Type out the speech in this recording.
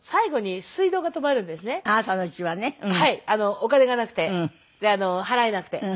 お金がなくて払えなくて。